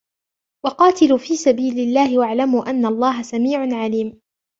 وَقَاتِلُوا فِي سَبِيلِ اللَّهِ وَاعْلَمُوا أَنَّ اللَّهَ سَمِيعٌ عَلِيمٌ